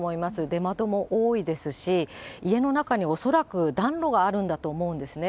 出窓も多いですし、家の中に恐らく暖炉があるんだと思うんですね。